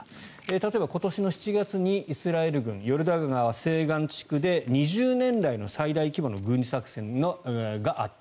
例えば今年の７月にイスラエル軍ヨルダン川西岸地区で２０年来の最大規模の軍事作戦があった。